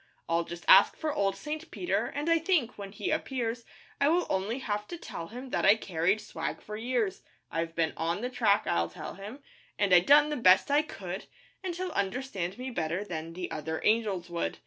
I'll just ask for old St. Peter, And I think, when he appears, I will only have to tell him That I carried swag for years. 'I've been on the track,' I'll tell him, 'An' I done the best I could,' And he'll understand me better Than the other angels would.